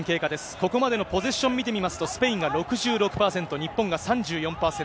ここまでのポゼッション見てみますと、スペインが６６％、日本が３４％。